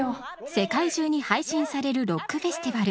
世界中に配信されるロックフェスティバル。